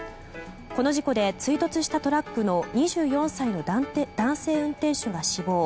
この事故で、追突したトラックの２４歳の男性運転手が死亡。